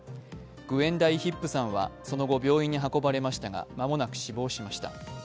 グエン・ダイ・ヒップさんは、その後病院に運ばれましたが間もなく死亡しました。